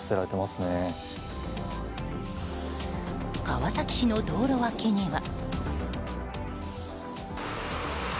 川崎市の道路脇には。